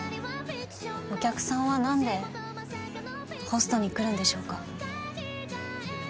お客さんは何でホストに来るんでしょうか？